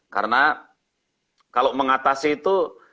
karena kalau mengatasi itu